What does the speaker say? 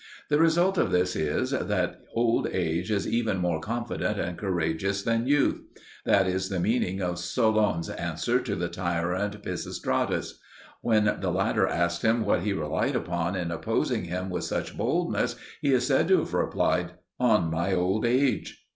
The result of this is, that old age is even more confident and courageous than youth. That is the meaning of Solon's answer to the tyrant Pisistratus. When the latter asked him what he relied upon in opposing him with such boldness, he is said to have replied, "On my old age."